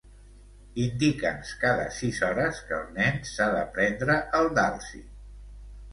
Indica'ns cada sis hores que el nen s'ha de prendre el Dalsy.